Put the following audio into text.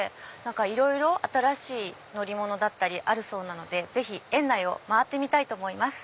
いろいろ新しい乗り物だったりあるそうなので園内を周ってみたいと思います。